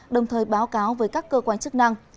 đồng thời báo cáo với các cơ quan chức năng